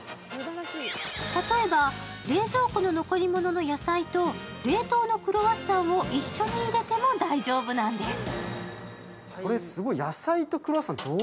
例えば冷蔵庫の残り物の野菜と冷凍のクロワッサンを一緒に入れても大丈夫なんです。